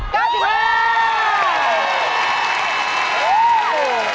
แพงกว่า๙๕บาท